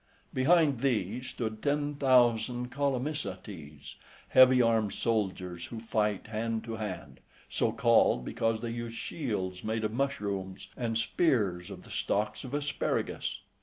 Behind these stood ten thousand Caulomycetes, {88a} heavy armed soldiers, who fight hand to hand; so called because they use shields made of mushrooms, and spears of the stalks of asparagus.